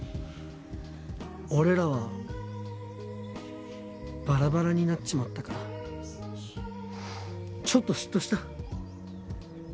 俺らはバラバラになっちまったからちょっと嫉妬した。